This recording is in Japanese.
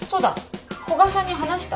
古賀さんに話した？